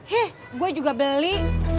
heeh gue juga beli